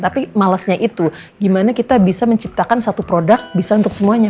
tapi malesnya itu gimana kita bisa menciptakan satu produk bisa untuk semuanya